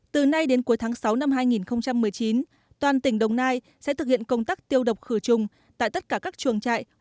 từ nay đến cuối tháng sáu năm hai nghìn một mươi chín toàn tỉnh đồng nai sẽ thực hiện công tác tiêu độc khử trùng tại tất cả các chuồng trại